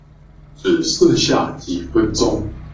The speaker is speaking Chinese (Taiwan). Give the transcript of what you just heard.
只剩下幾分鐘